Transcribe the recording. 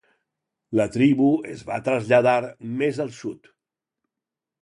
La tribu es va traslladar més al sud.